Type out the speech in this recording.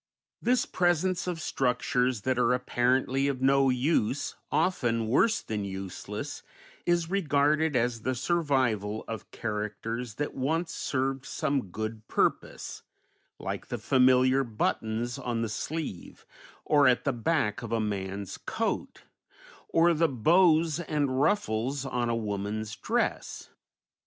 This presence of structures that are apparently of no use, often worse than useless, is regarded as the survival of characters that once served some good purpose, like the familiar buttons on the sleeve or at the back of a man's coat, or the bows and ruffles on a woman's dress.